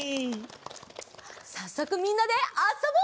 さっそくみんなであそぼう！